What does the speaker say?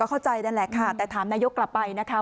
เข้าใจนั่นแหละค่ะแต่ถามนายกกลับไปนะคะ